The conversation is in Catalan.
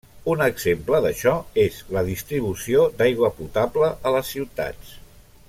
Un exemple d'això és la distribució d'aigua potable a les ciutats.